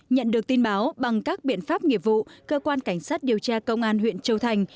nhận được tin báo bằng các biện pháp nghiệp vụ cơ quan cảnh sát điều tra công an huyện châu thành